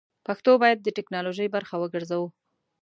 پښتو بايد د ټيکنالوژۍ برخه وګرځوو!